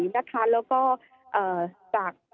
นะคะแล้วก็จาก